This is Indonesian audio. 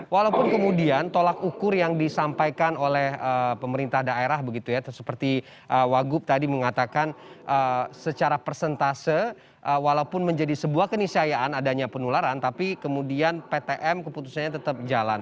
walaupun kemudian tolak ukur yang disampaikan oleh pemerintah daerah begitu ya seperti wagub tadi mengatakan secara persentase walaupun menjadi sebuah kenisayaan adanya penularan tapi kemudian ptm keputusannya tetap jalan